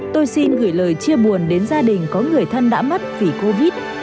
tôi xin gửi lời chia buồn đến gia đình có người thân đã mất vì covid